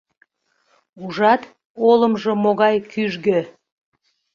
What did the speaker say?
Ужат, олымжо могай кӱжгӧ!